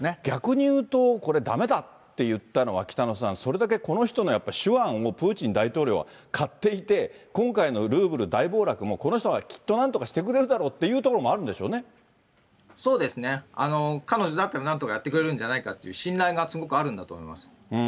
逆に言うと、これ、だめだっていったのは北野さん、それだけこの人の手腕をプーチン大統領は買っていて、今回のルーブル大暴落も、この人がきっとなんとかしてくれるだろうというところもあるんでそうですね、彼女だったらなんとかやってくれるんじゃないかという信頼がすごまあ